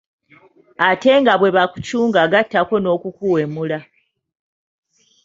Ate nga bwe bakucunga gattako n'okukuwemula.